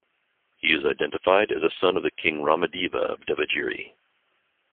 He is identified as a son of the king Ramadeva of Devagiri.